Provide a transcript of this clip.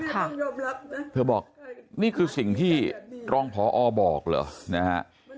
เธอบอกนี่คือสิ่งที่รองพอบอกเหรอนะฮะ